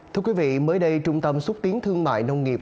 thưa quý vị mới đây trung tâm xúc tiến thương mại nông nghiệp